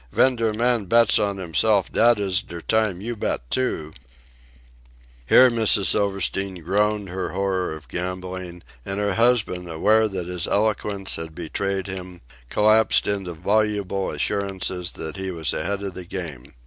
Ven der man bets on himself dat is der time you bet too " Here Mrs. Silverstein groaned her horror of gambling, and her husband, aware that his eloquence had betrayed him, collapsed into voluble assurances that he was ahead of the game.